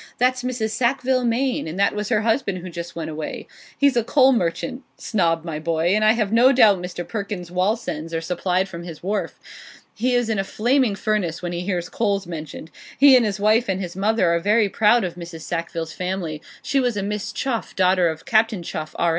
That's Mrs. Sackville Maine, and that was her husband who just went away. He's a coal merchant, Snob my boy, and I have no doubt Mr. Perkins's Wallsends are supplied from his wharf. He is in a flaming furnace when he hears coals mentioned. He and his wife and his mother are very proud of Mrs. Sackville's family; she was a Miss Chuff, daughter of Captain Chuff, R.